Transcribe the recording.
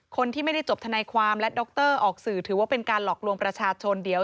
คนที่ไม่ได้จบทนายความและดรออกสื่อถือว่าเป็นการหลอกลวงประชาชนเดี๋ยว